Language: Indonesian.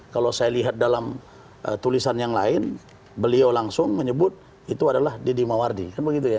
kalau saya lihat dalam tulisan yang lain beliau langsung menyebut itu adalah deddy mawardi kan begitu ya